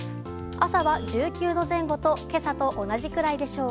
朝は１９度前後と今朝と同じくらいでしょう。